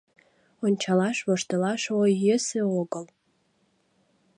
Ончалаш, воштылаш, ой, йӧсӧ огыл.